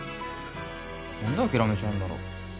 何で諦めちゃうんだろう